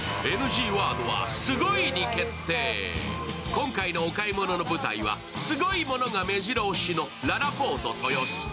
今回のお買い物の舞台はすごいものがめじろ押しのららぽーと豊洲。